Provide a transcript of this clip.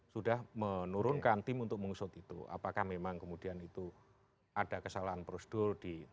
sudah menurunkan tim untuk mengusut itu apakah memang kemudian itu ada kesalahan prosedur